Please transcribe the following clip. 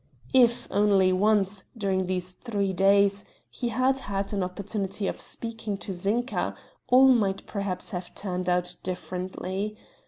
If, only once, during these three days, he had had an opportunity of speaking to Zinka all might perhaps have turned out differently.